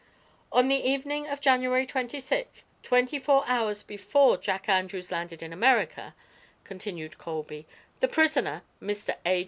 "On the evening of January twenty sixth, twenty four hours before Jack Andrews landed in America," continued Colby, "the prisoner, Mr. A.